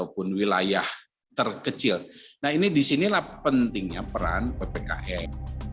pertama pentingnya peran bpkm